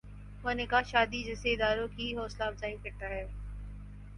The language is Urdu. وہ نکاح شادی جیسے اداروں کی حوصلہ افزائی کرتا ہے۔